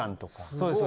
そうです